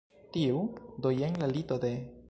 Tiu? Do jen la lito de